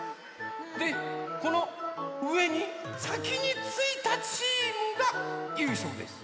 でこのうえにさきについたチームがゆうしょうです。